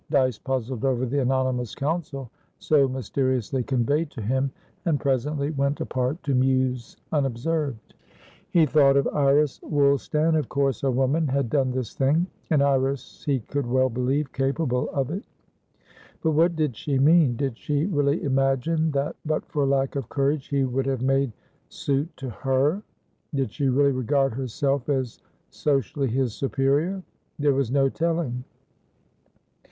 Dyce puzzled over the anonymous counsel so mysteriously conveyed to him, and presently went apart to muse unobserved. He thought of Iris Woolstan. Of course a woman had done this thing, and Iris he could well believe capable of it. But what did she mean? Did she really imagine that, but for lack of courage, he would have made suit to her? Did she really regard herself as socially his superior? There was no telling.